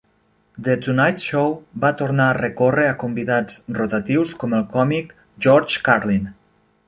"The Tonight Show" va tornar a recórrer a convidats rotatius com el còmic George Carlin.